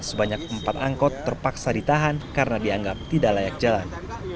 sebanyak empat angkot terpaksa ditahan karena dianggap tidak layak jalan